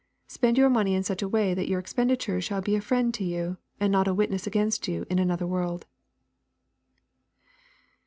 Spend your money in such a way that your expenditure shall be a friend to you, and not a witness against you in another world."